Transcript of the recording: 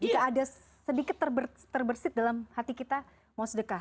jika ada sedikit terbersih dalam hati kita mau sedekah